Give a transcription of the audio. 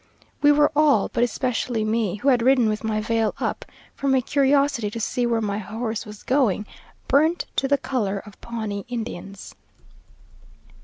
We were all, but especially me, who had ridden with my veil up, from a curiosity to see where my horse was going, burnt to the colour of Pawnee Indians.